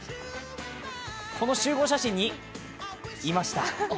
この集合写真にいました。